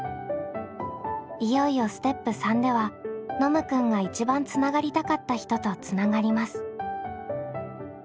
いよいよステップ３ではノムくんが一番つながりたかった人とつながります。